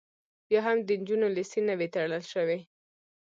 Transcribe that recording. بیا هم د نجونو لیسې نه وې تړل شوې